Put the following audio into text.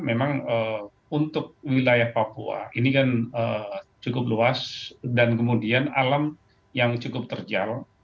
memang untuk wilayah papua ini kan cukup luas dan kemudian alam yang cukup terjal